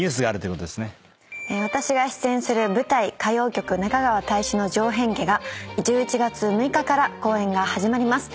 私が出演する舞台『歌妖曲中川大志之丞変化』が１１月６日から公演が始まります。